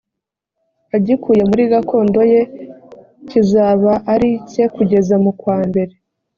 agikuye muri gakondo ye kizaba ari icye kugeza mu kwambere